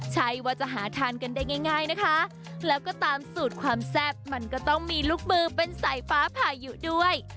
ใช่ว่าจะหาทานกันได้ง่ายนะคะแล้วก็ตามสูตรความแซ่บมันก็ต้องมีลูกมือเป็นสายฟ้าพายุด้วย